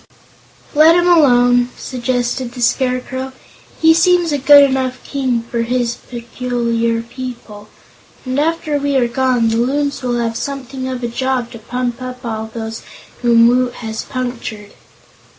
"Let him alone," suggested the Scarecrow. "He seems a good enough king for his peculiar people, and after we are gone, the Loons will have something of a job to pump up all those whom Woot has punctured."